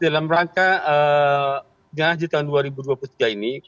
dalam rangka jemaah haji tahun dua ribu dua puluh tiga ini